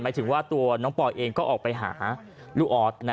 ถึงว่าตัวน้องปอยเองก็ออกไปหาลูกออส